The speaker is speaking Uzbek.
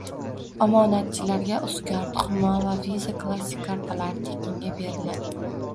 Omonatchilarga Uzcard, Humo va Visa Classic kartalari tekin beriladi